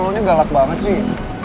lo ini galak banget sih